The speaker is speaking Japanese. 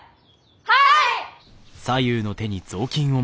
はい！